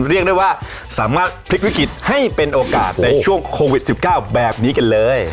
เรียกได้ว่าสามารถพลิกวิกฤตให้เป็นโอกาสในช่วงโควิด๑๙แบบนี้กันเลย